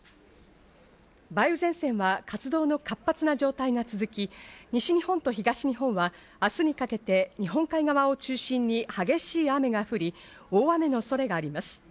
梅雨前線は活動の活発な状態が続き、西日本と東日本は明日にかけて日本海側を中心に激しい雨が降り、大雨の恐れがあります。